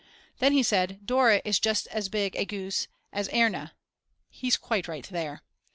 Then he said: Dora is just as big a goose as Erna. He's quite right there.